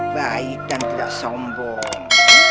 baik dan tidak sombong